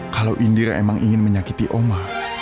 kalau indira emang ingin menyakiti oma